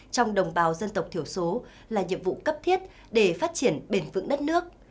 trong đồng bào dân tộc thiểu số là nhiệm vụ cấp thiết để phát triển bền vững đất nước